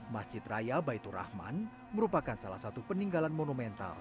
masjid raya baitur rahman merupakan salah satu peninggalan monumental